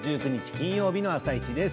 金曜日の「あさイチ」です。